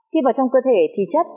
khi vào trong cơ thể thì chất